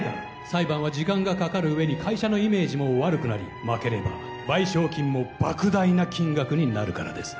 裁判は時間がかかるうえに会社のイメージも悪くなり負ければ賠償金も莫大な金額になるからです